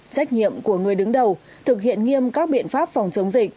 trách nhiệm của người đứng đầu thực hiện nghiêm các biện pháp phòng chống dịch